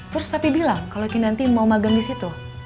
terus tapi bilang kalau kinanti mau magang di situ